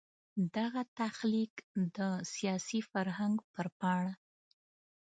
دغه تخلیق د سیاسي فرهنګ پر پاڼه.